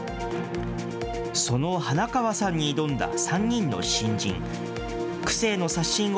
その花川さんに挑んだ３人の新人。